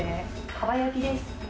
かば焼きです。